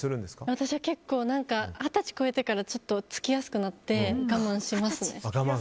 私は結構、二十歳超えてからつきやすくなって我慢します。